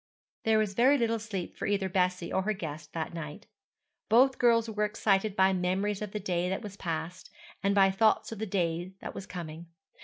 There was very little sleep for either Bessie or her guest that night. Both girls were excited by memories of the day that was past, and by thoughts of the day that was coming.